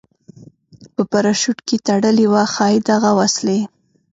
په پراشوټ کې تړلې وه، ښایي دغه وسلې.